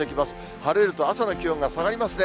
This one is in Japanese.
晴れると朝の気温が下がりますね。